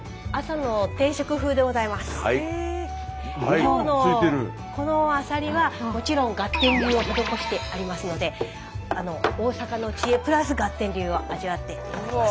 今日のこのアサリはもちろんガッテン流を施してありますので大阪の知恵プラスガッテン流を味わって頂きます。